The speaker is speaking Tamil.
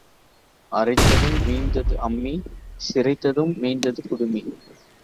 அரைத்ததும் மீந்தது அம்மி சிரைத்ததும் மீந்தது குடுமி.